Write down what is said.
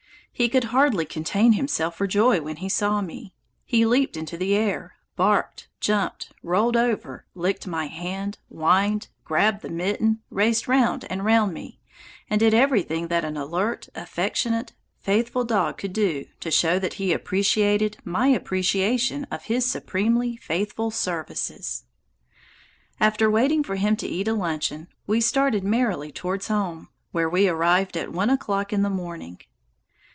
He could hardly contain himself for joy when he saw me. He leaped into the air, barked, jumped, rolled over, licked my hand, whined, grabbed the mitten, raced round and round me, and did everything that an alert, affectionate, faithful dog could do to show that he appreciated my appreciation of his supremely faithful services. After waiting for him to eat a luncheon, we started merrily towards home, where we arrived at one o'clock in the morning.